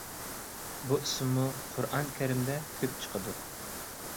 بۇ ئىسىممۇ قۇرئان كەرىمدە كۆپ چىقىدۇ.